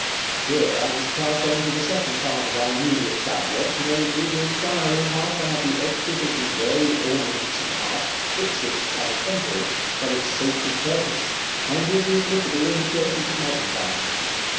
Here I must pass on to the second part of our immediate subject, namely, the inquiry how far the exquisite and varied ornament of St. Mark's fits it, as a Temple, for its sacred purpose, and would be applicable in the churches of modern times.